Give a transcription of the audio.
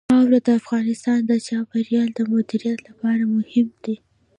خاوره د افغانستان د چاپیریال د مدیریت لپاره مهم دي.